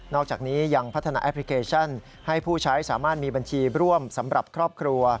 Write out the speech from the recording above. อกจากนี้ยังพัฒนาแอปพลิเคชันให้ผู้ใช้สามารถมีบัญชีร่วมสำหรับครอบครัว